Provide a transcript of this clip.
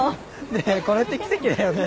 ねえこれって奇跡だよね？